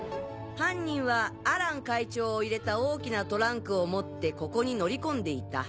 犯人はアラン会長を入れた大きなトランクを持ってここに乗り込んでいた。